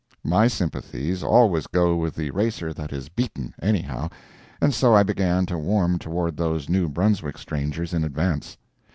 My sympathies always go with the racer that is beaten, anyhow, and so I began to warm toward those New Brunswick strangers in advance.